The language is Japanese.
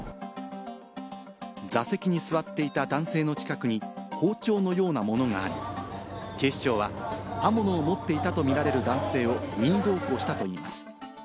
座席に座っていた男性の近くに包丁のようなものがあり、警視庁は刃物を持っていたとみられる男性を任意同行したといいます。